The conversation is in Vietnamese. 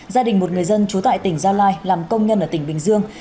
gia đình một người dân trú tại tỉnh gia lai làm công nhân ở tỉnh bình dương